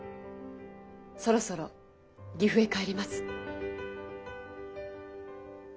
そろそろ岐阜へ帰ります。